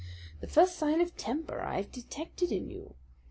the first sign of temper I have detected in you.